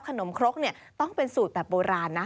นครกเนี่ยต้องเป็นสูตรแบบโบราณนะ